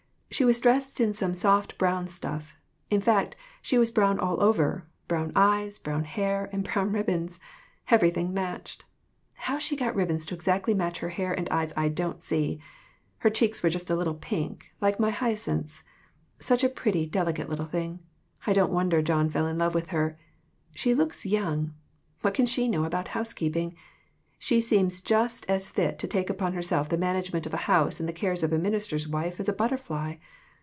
She was dressed in some soft brown stuff; in fact, she was brown all over brown eyes, brown hair and brown ribbons ; everything matched. How she got ribbons to exactly match her hair and eyes I don't see. Her cheeks were just a little pink, like my hyacinths. Such a pretty, delicate little thing. I don't wonder John fell in love with her. She looks~ young. What can she know about housekeeping ? She seems just about as fit to take upon herself the manage ment of a house and the cares of a minister's wife as a butterfly.